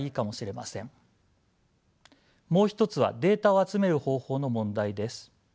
もう一つはデータを集める方法の問題です。